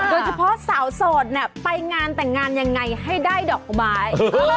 โดยเฉพาะสาวโสดเนี่ยไปงานแต่งงานยังไงให้ได้ดอกไม้